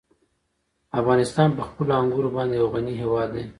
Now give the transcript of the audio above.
افغانستان په خپلو انګورو باندې یو غني هېواد دی.